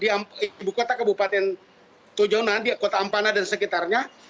di ibu kota kebupaten tojo una una di kota ampana dan sekitarnya